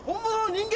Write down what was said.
人間！